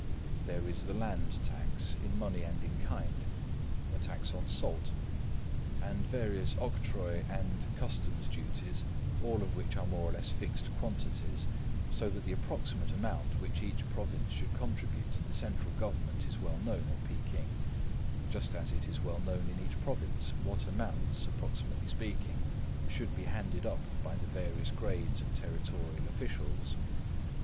There is the land tax, in money and in kind; a tax on salt; and various octroi and customs duties, all of which are more or less fixed quantities, so that the approximate amount which each province should contribute to the central government is well known at Peking, just as it is well known in each province what amounts, approximately speaking, should be handed up by the various grades of territorial officials.